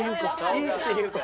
「いいって言うから」。